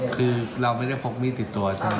คือเราไม่ได้พกมีดติดตัวใช่ไหม